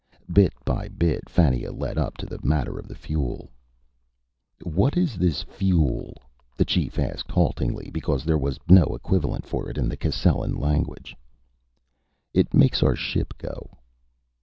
Bit by bit, Fannia led up to the matter of the fuel. "What is this 'fuel'?" the chief asked, haltingly because there was no equivalent for it in the Cascellan language. "It makes our ship go."